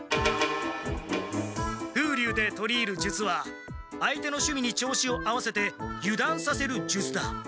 「風流で取り入る術」は相手のしゅみに調子を合わせてゆだんさせる術だ。